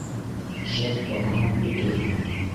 Шәп барһаң, бөтөрһөң.